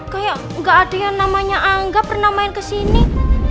kayak gak ada yang namanya angga pernah main kesini